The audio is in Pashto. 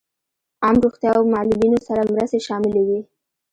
عام روغتیا او معلولینو سره مرستې شاملې وې.